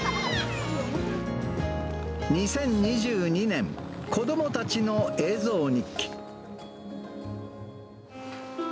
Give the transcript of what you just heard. ２０２２年、子どもたちの映像日記。